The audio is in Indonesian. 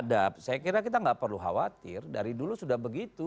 saya kira kita nggak perlu khawatir dari dulu sudah begitu